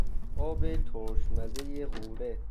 آب ترشمزهی غوره